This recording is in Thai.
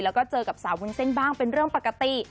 แล้วก็เจอกับสาววุ้นเส้นบ้างเป็นเรื่องปกติ